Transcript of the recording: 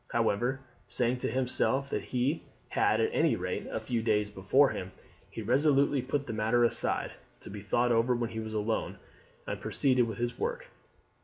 However, saying to himself that he had at any rate a few days before him, he resolutely put the matter aside, to be thought over when he was alone, and proceeded with his work.